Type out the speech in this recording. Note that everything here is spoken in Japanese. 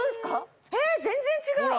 え全然違う！